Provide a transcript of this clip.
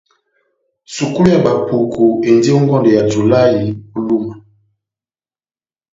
Sukulu ya bapuku endi ó ngɔndɛ yá julahï ó Lúma.